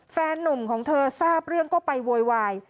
แฟนนุ่มของเธอทราบเรื่องก็ไปโวยวาย